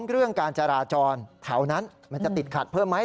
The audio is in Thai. เรื่องการจราจรแถวนั้นมันจะติดขัดเพิ่มไหม